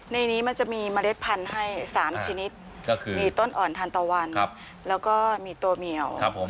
สามชนิดก็คือมีต้นอ่อนทันตะวันครับแล้วก็มีตัวเหมียวครับผม